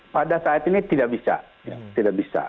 pada saat ini tidak bisa tidak bisa